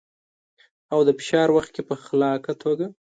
او د فشار وخت کې په خلاقه توګه.